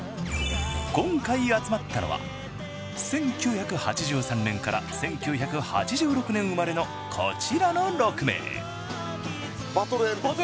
今回集まったのは１９８３年から１９８６年生まれのこちらの６名バトルえんぴつ